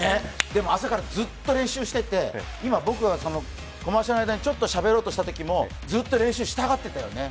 でも朝からずっと練習してて、今、僕がＣＭ中にちょっとしゃべろうとしたときもずっと練習したがってたよね。